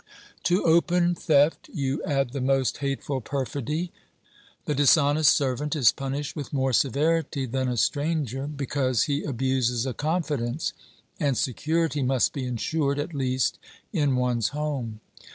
To open theft you add the most hateful perfidy. The dishonest servant is punished with more severity than a stranger, be cause he abuses a confidence, and security must be insured at least in one's home.